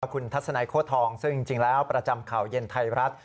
คุณทัศนัยโค้ทองซึ่งจริงแล้วประจำข่าวเย็นไทยรัฐ